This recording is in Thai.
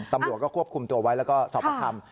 ตำรวจก็ควบคุมตัวไว้แล้วก็สอบประคำ